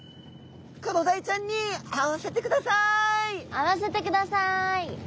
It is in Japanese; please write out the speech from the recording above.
会わせてください。